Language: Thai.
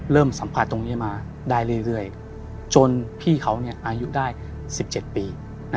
เริ่มสัมภาษณ์ตรงนี้มาได้เรื่อยจนพี่เขาอายุได้๑๗ปี